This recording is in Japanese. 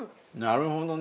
なるほど。